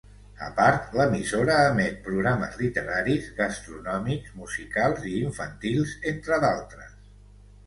A part, l’emissora emet programes literaris, gastronòmics, musicals i infantils, entre d’altres.